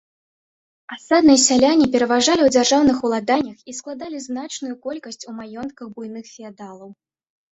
Асадныя сяляне пераважалі ў дзяржаўных уладаннях і складалі значную колькасць у маёнтках буйных феадалаў.